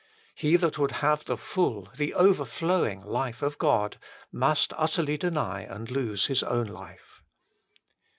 He that would have the full, the overflowing life of God, must utterly deny and lose his own life.